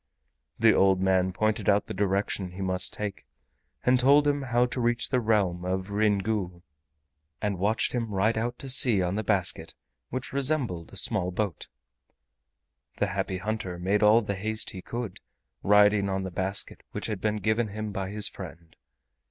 The old man pointed out the direction he must take, and told him how to reach the realm of Ryn Gu, and watched him ride out to sea on the basket, which resembled a small boat. The Happy Hunter made all the haste he could, riding on the basket which had been given him by his friend.